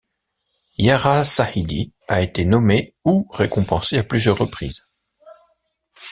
Yara Shahidi a été nommée ou récompensée à plusieurs reprises.